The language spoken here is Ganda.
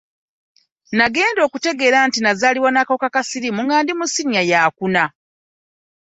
Nnagenda okutegeera nti nnazaalibwa n'akawuka ka siriimu nga ndi mu siniya ya kuna.